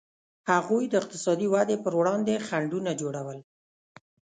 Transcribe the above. هغوی د اقتصادي ودې پر وړاندې خنډونه جوړول.